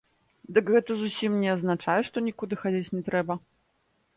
Дык гэта ж зусім не азначае, што нікуды хадзіць не трэба.